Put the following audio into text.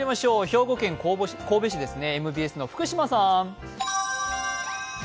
兵庫県神戸市、ＭＢＳの福島さん。